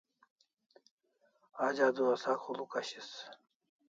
Aj adua sak huluk ashis